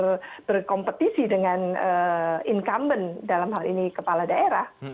untuk berkompetisi dengan incumbent dalam hal ini kepala daerah